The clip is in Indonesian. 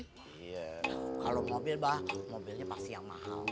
kalau mobil bah mobilnya pasti yang mahal